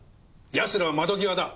やつらは窓際だ。